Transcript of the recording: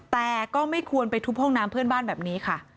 แต่ก็ไม่ควรไปทุบห้องน้ำเพื่อนบ้านแบบนี้ค่ะ